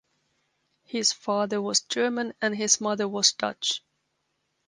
His father was German and his mother was Dutch.